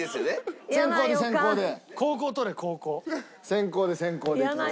先攻で先攻でいきます。